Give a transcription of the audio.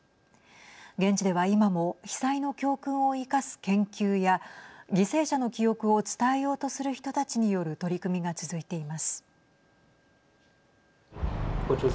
現地では今も被災の教訓を生かす研究や犠牲者の記憶を伝えようとする人たちによる取り組みが続いています。